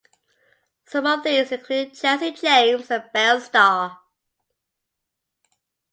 Some of these included Jesse James and Belle Starr.